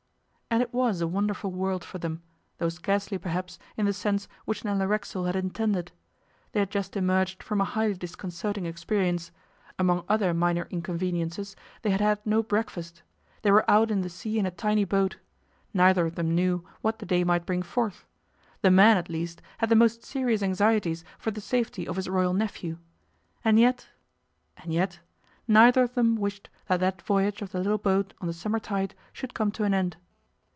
And it was a wonderful world for them, though scarcely perhaps, in the sense which Nella Racksole had intended. They had just emerged from a highly disconcerting experience. Among other minor inconveniences, they had had no breakfast. They were out in the sea in a tiny boat. Neither of them knew what the day might bring forth. The man, at least, had the most serious anxieties for the safety of his Royal nephew. And yet and yet neither of them wished that that voyage of the little boat on the summer tide should come to an end.